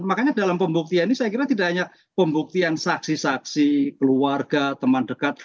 makanya dalam pembuktian ini saya kira tidak hanya pembuktian saksi saksi keluarga teman dekat